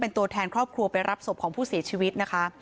เป็นตัวแทนครอบครัวไปรับศพของผู้เสียชีวิตนะคะ